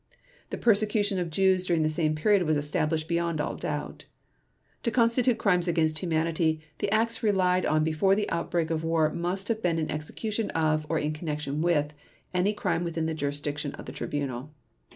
The persecution of Jews during the same period is established beyond all doubt. To constitute Crimes against Humanity, the acts relied on before the outbreak of war must have been in execution of, or in connection with, any crime within the jurisdiction of the Tribunal.